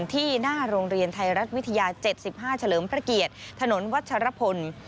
ที่หน้าโรงเรียนไทยรัฐวิทยา๗๕เฉลิมพระเกียรติถนนวัชรพล